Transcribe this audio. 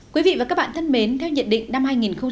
quý vị và các bạn thân mến theo nhận định năm hai nghìn một mươi chín